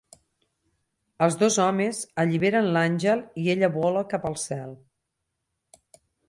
Els dos homes alliberen l'àngel i ella vola cap al cel.